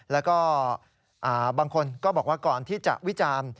แล้วก็บางคนก็บอกว่าก่อนที่จะวิจารณ์